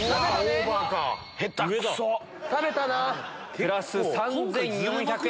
プラス３４００円。